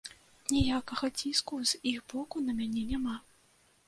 Ніякага ціску з іх боку на мяне няма.